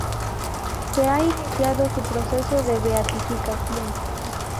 Se ha iniciado su proceso de beatificación.